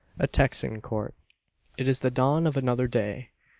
A TEXAN COURT. It is the dawn of another day.